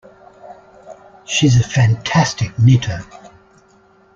She's a fantastic knitter.